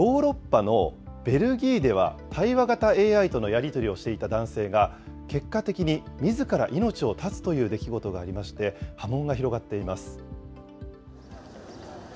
ただですね、ヨーロッパのベルギーでは、対話型ＡＩとのやり取りをしていた男性が、結果的にみずから命を絶つという出来事がありまして、波紋が広がっています。